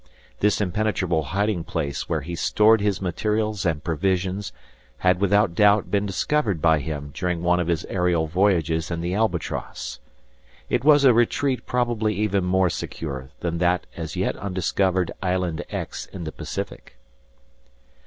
This impenetrable hiding place where he stored his materials and provisions, had without doubt been discovered by him during one of his aerial voyages in the "Albatross." It was a retreat probably even more secure than that as yet undiscovered Island X in the Pacific.